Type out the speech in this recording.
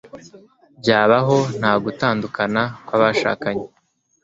byabaho, nta gutandukana kw'abashakanye